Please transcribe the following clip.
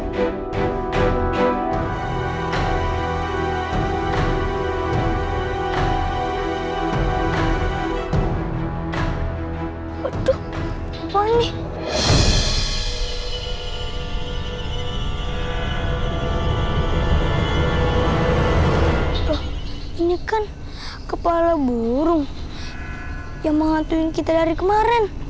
lelah ini kan kepala burung yang menghantuin kita dari kemarin